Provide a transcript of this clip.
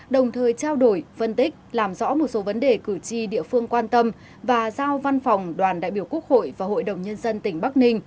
đồng thời trao đổi phân tích làm rõ một số vấn đề cử tri địa phương quan tâm và giao văn phòng đoàn đại biểu quốc hội và hội đồng nhân dân tỉnh bắc ninh